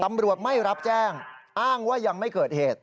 ตำรวจไม่รับแจ้งอ้างว่ายังไม่เกิดเหตุ